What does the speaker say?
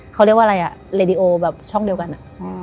เขาเรียกว่าอะไรอ่ะเรดิโอแบบช่องเดียวกันอะ